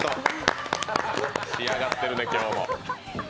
仕上がってるね、今日も。